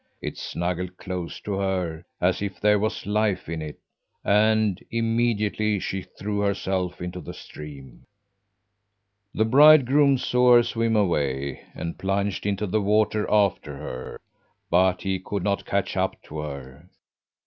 It snuggled close to her as if there was life in it and immediately she threw herself into the stream. "The bridegroom saw her swim away and plunged into the water after her; but he could not catch up to her.